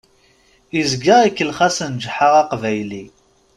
Izga ikellex-asen Ǧeḥḥa Aqbayli.